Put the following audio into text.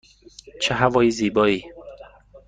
چه هوای زیبایی!